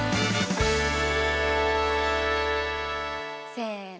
せの！